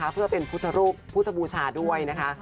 เพื่อเป็นพุทธรูปพุทธบูชาด้วยนะคะ